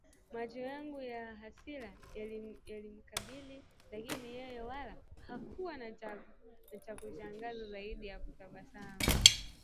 Macho yangu ya hasira yalimkabili lakini yeye wala hakuwa na chakushangazwa zaidi ya kutabasamu